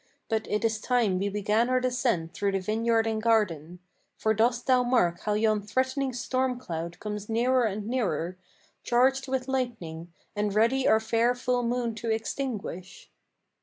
But it is time we began our descent through the vineyard and garden; For dost thou mark how yon threatening storm cloud comes nearer and nearer, Charged with lightning, and ready our fair full moon to extinguish?"